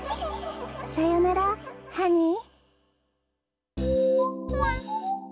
さようならハニー。